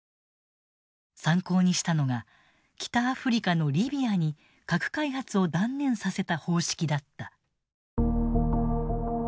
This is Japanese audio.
参考にしたのが北アフリカのリビアに核開発を断念させた方式だった。